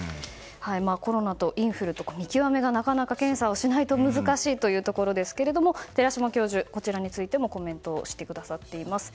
コロナとインフル見極めが検査をしないとなかなか難しいというところですが寺嶋教授、こちらについてもコメントしてくださっています。